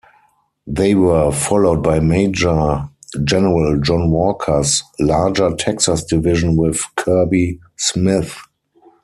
They were followed by Major-General John Walker's larger Texas division with Kirby Smith.